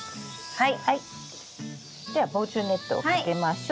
はい。